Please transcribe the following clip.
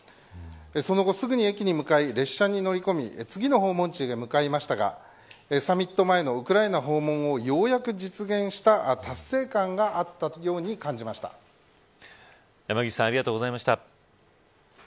その後すぐに駅に向かい車に乗り込み、すぐに次の訪問地へ向かいましたがサミット前のウクライナ訪問をようやく実現した達成感があったように山岸さんありがとうございました。